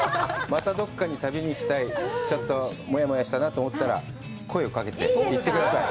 またどこかに旅に行きたい、ちょっともやもやしたなと思ったら、声をかけてください。